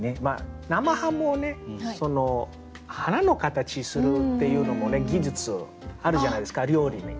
生ハムをね花の形にするっていうのも技術あるじゃないですか料理に。